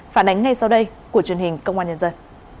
phản ánh ngay sau đây của truyền hình công an nhân dân